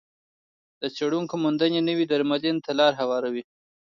د څېړونکو موندنې نوې درملنې ته لار هواروي.